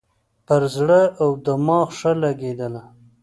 پر زړه او دماغ ښه لګېدله.